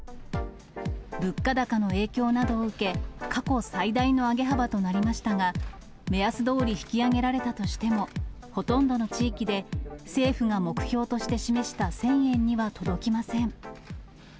物価高の影響などを受け、過去最大の上げ幅となりましたが、目安どおり引き上げられたとしても、ほとんどの地域で政府が目標として示した１０００円には届きません。